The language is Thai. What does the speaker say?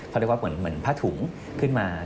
เขาเรียกว่าเหมือนผ้าถุงขึ้นมา